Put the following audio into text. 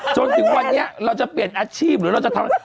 จนถึงวันนี้เราจะเปลี่ยนอาชีพหรือเราจะทำ